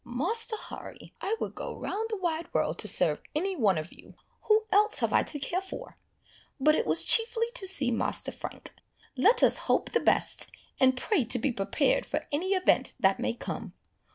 "Master Harry, I would go round the wide world to serve any one of you! who else have I to care for? But it was chiefly to see Master Frank. Let us hope the best, and pray to be prepared for any event that may come.